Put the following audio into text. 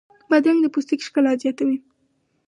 بادرنګ د پوستکي ښکلا زیاتوي.